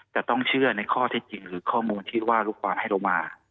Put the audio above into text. แต่ต้องเชื่อในข้อเท็จจริงหรือข้อมูลที่ว่าลูกป่าให้เรามา